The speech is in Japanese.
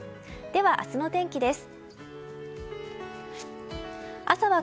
では、明日の天気です。